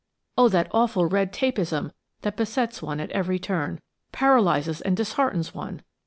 Oh, that awful red tapeism that besets one at every turn, paralyses and disheartens one!